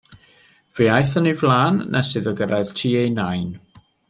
Fe aeth yn ei flaen nes iddo gyrraedd tŷ ei nain.